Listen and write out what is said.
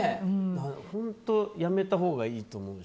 本当、やめたほうがいいと思う。